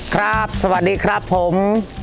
สวัสดีครับผม